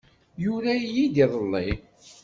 Yura-iyi-d iḍelli.